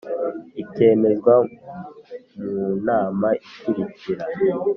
ikemezwa mu nama ikurikira